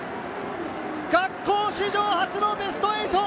学校史上初のベスト８！